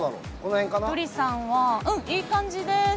ひとりさん、いい感じです。